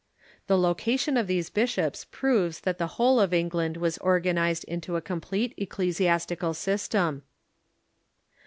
The location of these bishops proves that the whole of England was organized into a complete ecclesiastical system.